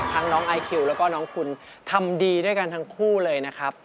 น้องไอคิวแล้วก็น้องคุณทำดีด้วยกันทั้งคู่เลยนะครับ